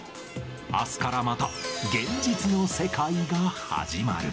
あすからまた現実の世界が始まる。